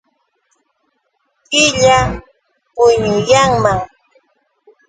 Killa puñuyanñam.